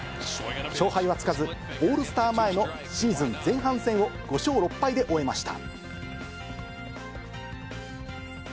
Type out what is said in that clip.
勝敗はつかず、オールスター前のシーズン前半戦を５勝６敗で終えました。